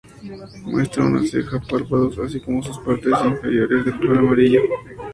Muestra una ceja, párpados, así como sus partes inferiores de color amarillo.